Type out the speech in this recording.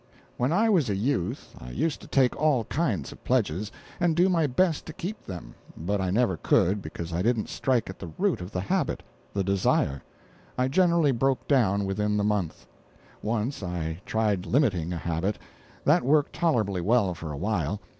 When I was a youth I used to take all kinds of pledges, and do my best to keep them, but I never could, because I didn't strike at the root of the habit the desire; I generally broke down within the month. Once I tried limiting a habit. That worked tolerably well for a while.